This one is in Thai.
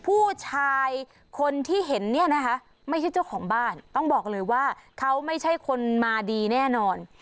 ผู้ชายคนที่เห็นเนี่ยนะคะไม่ใช่เจ้าของบ้านต้องบอกเลยว่าเขาไม่ใช่คนมาดีแน่นอน